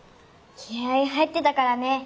気合い入ってたからね。